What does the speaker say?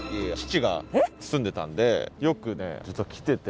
よくね実は来てて。